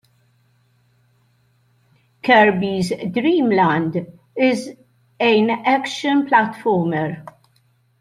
"Kirby's Dream Land" is a action-platformer.